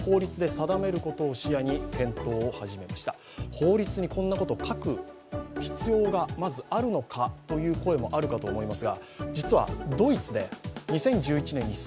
法律にこんなことを書く必要がまずあるのかという声もあるかと思います。